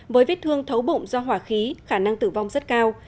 với vết thương thấu bụng do hỏa khí khả năng tử vong rất cao